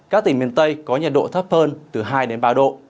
các tỉnh miền tây có nhiệt độ thấp hơn từ hai đến ba độ